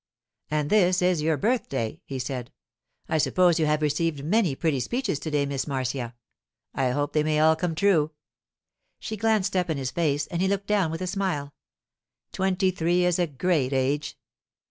'And this is your birthday,' he said. 'I suppose you have received many pretty speeches to day, Miss Marcia; I hope they may all come true.' She glanced up in his face, and he looked down with a smile. 'Twenty three is a great age!